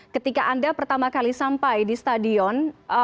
ketika anda pertama kali sampai di stadion